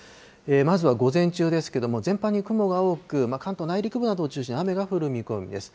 まずは午前中ですけれども、全般に雲が多く、関東内陸部などを中心に雨が降る見込みです。